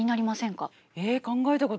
え考えたことない。